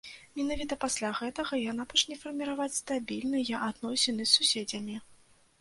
Менавіта пасля гэтага яна пачне фарміраваць стабільныя адносіны з суседзямі.